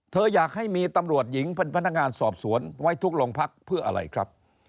อยากให้มีตำรวจหญิงเป็นพนักงานสอบสวนไว้ทุกโรงพักเพื่ออะไรครับ